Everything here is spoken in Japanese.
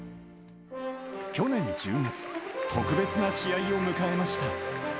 去年１０月、特別な試合を迎えました。